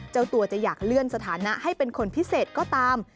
เจ้าตัวจะอยากเลื่อนสถานะให้เป็นคนพิเศษก็ตาม